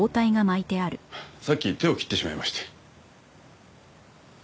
さっき手を切ってしまいまして。